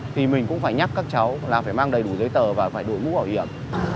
thì mình cũng phải nhắc các cháu là phải mang đầy đủ giấy tờ và phải đổi mũ bảo hiểm